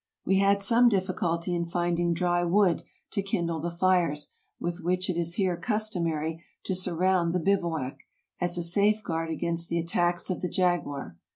AMERICA 177 We had some difficulty in finding dry wood to kindle the fires with which it is here customary to surround the bivouac, as a safeguard against the attacks of the jaguar.